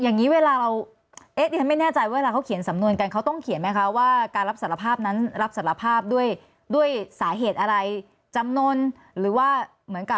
นอนต้องเขียนละเอียดขนาดนี้ไหมคะ